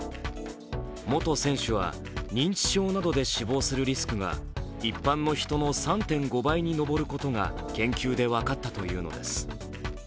元選手は認知症などで死亡するリスクが一般の人の３．５倍に上ることが研究で分かったというのです。